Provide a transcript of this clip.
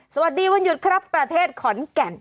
สวัสดีวันหยุดครับประเทศขอนแก่น